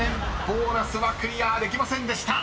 ボーナスはクリアできませんでした］